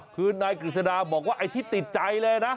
คือนายกฤษฎาบอกว่าไอ้ที่ติดใจเลยนะ